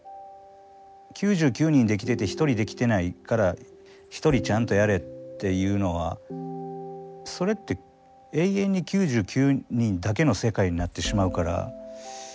９９人できてて１人できてないから「１人ちゃんとやれ」っていうのはそれって永遠に９９人だけの世界になってしまうから。